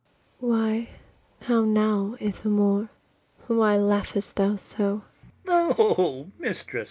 Why, how now, Ithamore! why laugh'st thou so? ITHAMORE. O mistress!